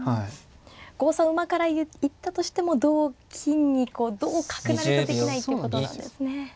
５三馬から行ったとしても同金に同角成とできないってことなんですね。